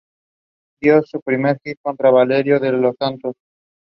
It showcases mainly visual art exhibitions from local artists.